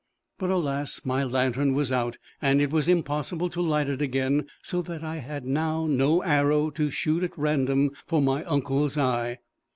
But, alas! my lantern was out, and it was impossible to light it again, so that I had now no arrow to shoot at random for my uncle's eye.